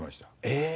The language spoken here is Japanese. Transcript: ええ。